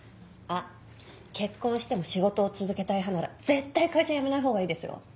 あっ結婚しても仕事を続けたい派なら絶対会社辞めないほうがいいですよ。